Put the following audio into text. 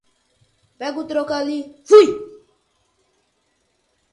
Pega o troco ali, fui